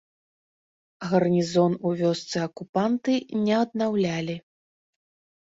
Гарнізон у вёсцы акупанты не аднаўлялі.